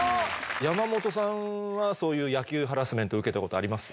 山本さんはそういう野球ハラスメント受けたことあります？